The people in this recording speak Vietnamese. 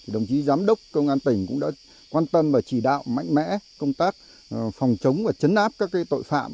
đồng chí giám đốc công an tỉnh cũng đã quan tâm và chỉ đạo mạnh mẽ công tác phòng chống và chấn áp các tội phạm